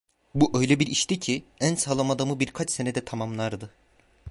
Bu öyle bir işti ki, en sağlam adamı birkaç senede tamamlardı.